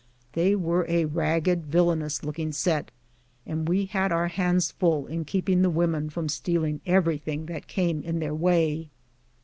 They were a ragged, villainous looking set, and we had our hands full in keeping the women from stealing every thing that came in their way.